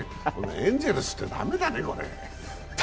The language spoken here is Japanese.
エンゼルスって駄目だね。